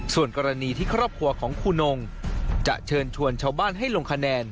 ส่วนกรณีที่ครอบครัวของครูนงจะเชิญชวนชาวบ้านให้ลงคะแนน